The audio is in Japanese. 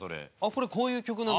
これこういう曲なんで。